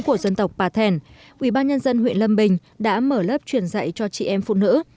của dân tộc bà thèn ubnd huyện lâm bình đã mở lớp truyền dạy cho chị em phụ nữ